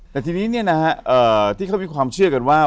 แต่ทีนี้ที่เขามีความเชื่อกันว่า